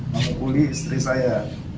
mengakui istri saya